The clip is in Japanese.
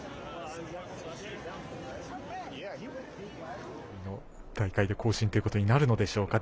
次の大会で更新ということになるのでしょうか。